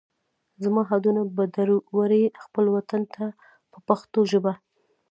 زما هډونه به در وړئ خپل وطن ته په پښتو ژبه.